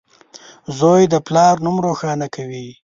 • زوی د پلار نوم روښانه کوي.